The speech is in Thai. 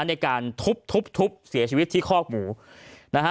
ในการทุบทุบเสียชีวิตที่คอกหมูนะฮะ